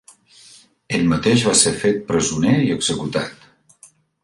Ell mateix va ser fet presoner i executat.